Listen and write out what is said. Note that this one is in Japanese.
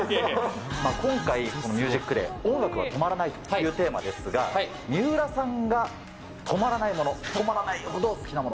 今回、ＴＨＥＭＵＳＩＣＤＡＹ、音楽は止まらないというテーマですが、三浦さんが止まらないもの、止まらないほど好きなもの。